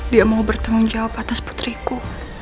dia mau bertanggung jawab atas putriku